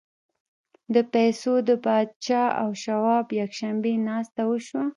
د پیسو د پاچا او شواب یکشنبې ناسته وشوه